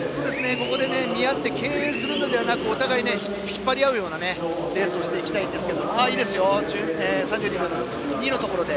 ここで見合って敬遠するのではなくお互い、引っ張り合うようなレースをしていきたいですね。